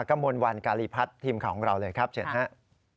กระมวลวันการีพัฒน์ทีมข่าวของเราเลยครับเชิญครับ